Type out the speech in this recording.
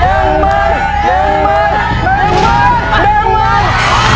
หนังมัน